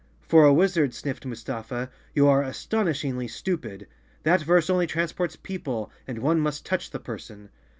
"For a wizard," sniffed Mustafa, "you are aston¬ ishingly stupid. That verse only transports people, and one must touch the person."